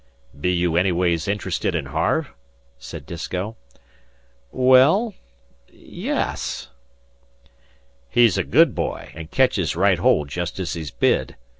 "Be you anyways interested in Harve?" said Disko. "Well, ye es." "He's a good boy, an' ketches right hold jest as he's bid.